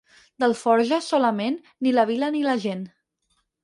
D'Alforja, solament, ni la vila ni la gent.